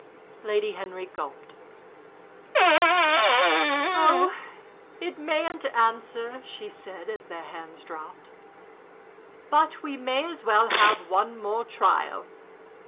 Lady Henry gulped. "Oh, it mayn't answer," she said, as their hands dropped. "But we may as well have one more trial.